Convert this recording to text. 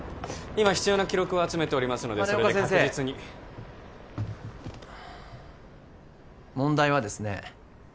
今必要な記録を集めておりますので羽根岡先生それで確実に問題はですね